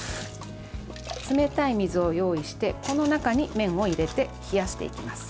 冷たい水を用意してこの中に麺を入れて冷やしていきます。